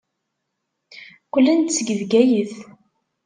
Qqlen-d seg Bgayet.